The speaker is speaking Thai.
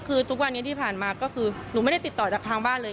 คือทุกวันนี้ที่ผ่านมาก็คือหนูไม่ได้ติดต่อจากทางบ้านเลย